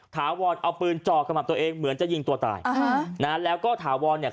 ถาวรเอาปืนจ่อขมับตัวเองเหมือนจะยิงตัวตายอ่านะฮะแล้วก็ถาวรเนี่ย